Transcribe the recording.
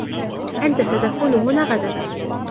أنتَ ستكون هنا غداً ؟